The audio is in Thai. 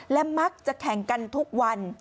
และมักจะแข่งกันทุกวัน